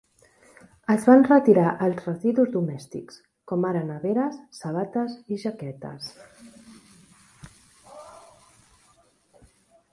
Es van retirar els residus domèstics, com ara neveres, sabates i jaquetes.